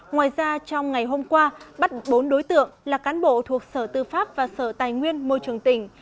ngoài ra trong ngày hôm qua bắt bốn đối tượng là cán bộ thuộc sở tư pháp và sở tài nguyên môi trường tỉnh